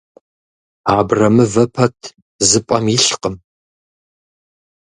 Абрэмывэ пэт зы пӀэм илъкъым.